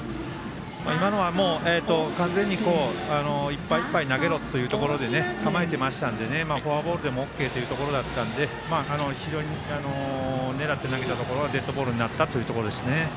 今のはもう、完全にいっぱいいっぱい投げろというところで構えていましたのでフォアボールでもＯＫというところだったので狙って投げたところをデッドボールになったというところですね。